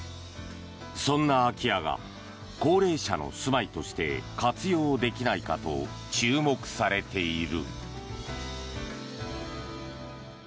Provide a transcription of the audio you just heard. そんな空き家が高齢者の住まいとして活用できないかと注目されている。